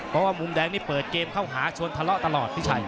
เพราะว่ามุมแดงนี่เปิดเกมเข้าหาชนทะเลาะตลอดพี่ชัย